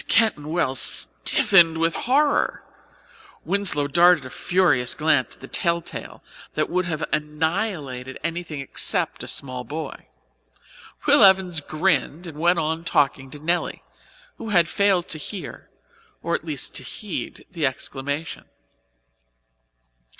Mrs. Keyton Wells stiffened with horror. Winslow darted a furious glance at the tell tale that would have annihilated anything except a small boy. Will Evans grinned and went on talking to Nelly, who had failed to hear, or at least to heed, the exclamation.